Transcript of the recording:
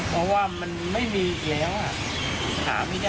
เพราะว่ามันไม่มีอีกแล้วหาไม่ได้